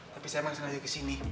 tapi saya masih ngajak kesini